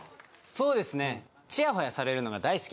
そうですね。